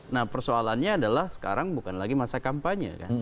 nah persoalannya adalah sekarang bukan lagi masa kampanye kan